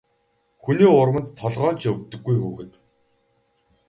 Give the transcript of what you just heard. Хүний урманд толгой нь ч өвддөггүй хүүхэд.